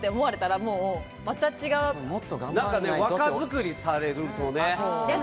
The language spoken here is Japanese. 若作りされるとね。